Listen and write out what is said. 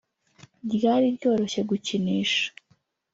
ryari ryoroshye gukinisha